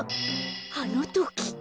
あのとき！